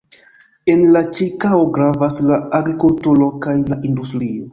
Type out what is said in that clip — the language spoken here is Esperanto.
En la ĉirkaŭo gravas la agrikulturo kaj la industrio.